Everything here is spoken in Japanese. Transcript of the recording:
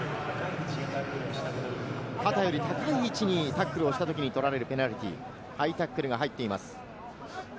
肩より高い位置にタックルをしたときに取られるペナルティー、ハイタックルが入っています。